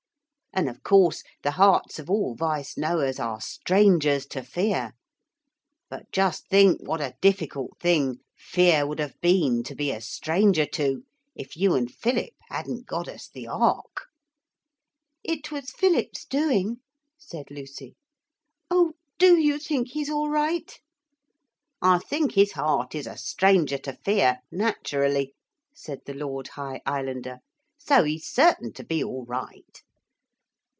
And of course the hearts of all Vice Noahs are strangers to fear. But just think what a difficult thing Fear would have been to be a stranger to if you and Philip hadn't got us the ark!' 'It was Philip's doing,' said Lucy; 'oh, do you think he's all right?' 'I think his heart is a stranger to fear, naturally,' said the Lord High Islander, 'so he's certain to be all right.'